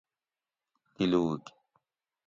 تِلوگ